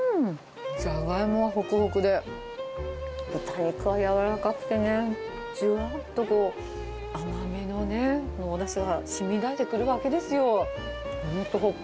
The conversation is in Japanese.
じゃがいもはほくほくで、豚肉はやわらかくてね、じゅわーっとこう、甘めのね、おだしがしみ出してくるわけですよ。